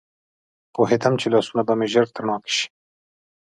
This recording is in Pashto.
پوهېدم چې لاسونه به مې ژر تڼاکي شي.